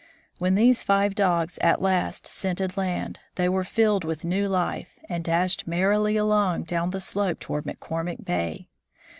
When these five dogs at last scented land, they were filled with new life, and dashed merrily along down the slope toward McCormick bay.